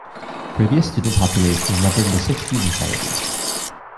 Previous student populations numbered in the sixties and seventies.